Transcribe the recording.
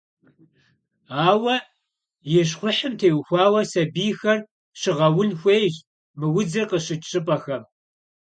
Ауэ, и щхъухьым теухуауэ сабийхэр щыгъэун хуейщ мы удзыр къыщыкӏ щӏыпӏэхэм.